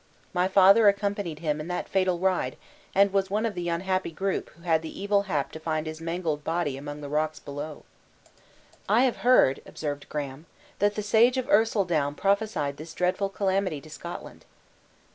My father accompanied him in that fatal ride, and was one of the unhappy group who had the evil hap to find his mangled body among the rocks below." "I have heard," observed Graham, "that the sage of Ercildown prophesied this dreadful calamity to Scotland."